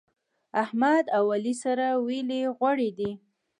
احمد او علي سره ويلي غوړي دي.